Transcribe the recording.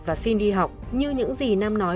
và xin đi học như những gì nam nói